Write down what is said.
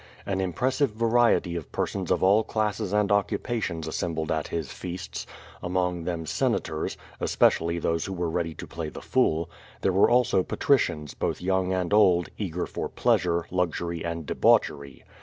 An impressive variety of persons of all classes and occupations assembled at his feasts, among them senators — especially those who were ready to play the fool; there were also patri cians, both young and old, eager for pleasure, luxury and debauchery.